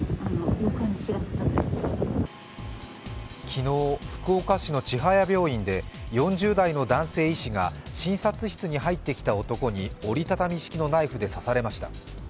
昨日、福岡市の千早病院で４０代の男性医師が診察室に入ってきた男に折りたたみ式のナイフで刺されました。